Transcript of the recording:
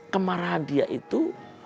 kemarahan dia itu